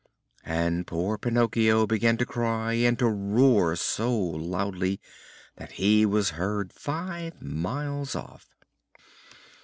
And poor Pinocchio began to cry and to roar so loudly that he was heard five miles off.